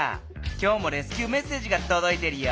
きょうもレスキューメッセージがとどいてるよ！